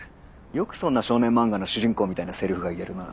よくそんな少年マンガの主人公みたいなセリフが言えるな。